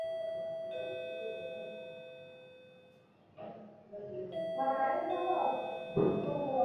গলার ক্যান্সারে মৃত্যুবরণ করেন তার ছাত্র ব্রুস লির এক মাস আগেই।